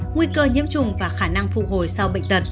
nguy cơ nhiễm trùng và khả năng phục hồi sau bệnh tật